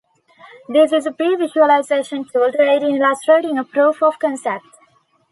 This is a pre-visualization tool to aid in illustrating a proof of concept.